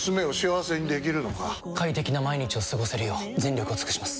快適な毎日を過ごせるよう全力を尽くします！